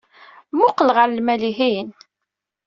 Mmuqqel ɣer lmal-ihin.